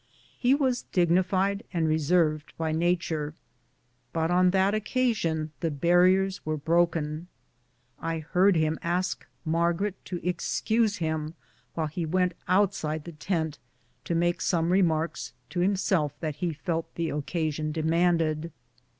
He was dignified and re served by nature, but on that occasion the barriers were broken. I heard him ask Margaret to excuse him while he went outside the tent to make some remarks to him self that he felt the occasion demanded.